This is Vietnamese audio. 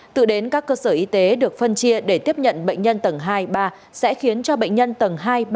từ đến các cơ sở y tế được phân chia để tiếp nhận bệnh nhân tầng hai ba sẽ khiến cho bệnh nhân tầng hai ba